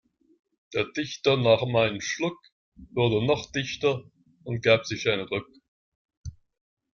Der Dichter nahm einen Schluck, wurde noch dichter und gab sich einen Ruck.